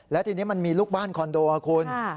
และทีนี้มันมีลูกบ้านคอนโดครับคุณ